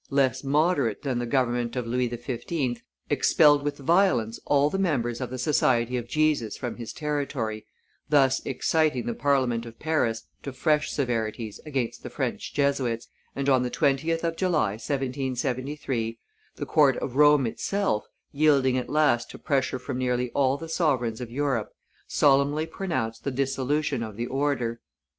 less moderate than the government of Louis XV., expelled with violence all the members of the Society of Jesus from his territory, thus exciting the Parliament of Paris to fresh severities against the French Jesuits, and, on the 20th of July, 1773, the court of Rome itself, yielding at last to pressure from nearly all the sovereigns of Europe, solemnly pronounced the dissolution of the Order.